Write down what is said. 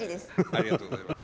ありがとうございます。